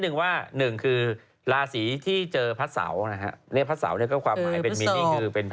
เขาไม่ค่อยดีไม่ใช่ไม่ดีแปลกแปลก